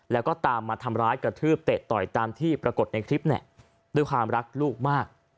แล้วก็ตามมาทำร้ายกระทืบเตะต่อยตามที่ปรากฏในคลิปเนี่ยด้วยความรักลูกมาก